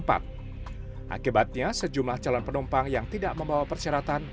akibatnya sejumlah calon penumpang yang tidak membawa persyaratan